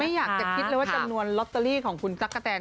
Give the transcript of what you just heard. อยากจะคิดเลยว่าจำนวนลอตเตอรี่ของคุณตั๊กกะแตน